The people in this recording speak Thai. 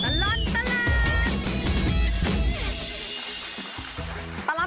ช่วงตลอดตลาด